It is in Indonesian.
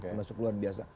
termasuk luar biasa